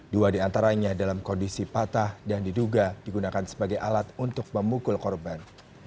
dua diantaranya dalam kondisi patah dan diduga digunakan sebagai alat untuk memukul korban